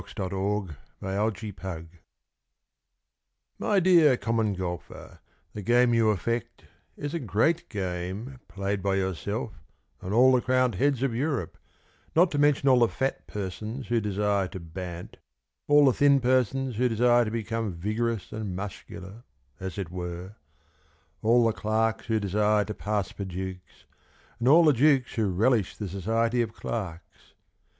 TO THE COMMON GOLFER My dear Common Golfer, The game you affect Is a great game Played by yourself And all the crowned heads of Europe, Not to mention all the fat persons who desire to bant, All the thin persons who desire to become Vigorous and muscular, as it were, All the clerks who desire to pass for dukes, And all the dukes who relish the society of clerks.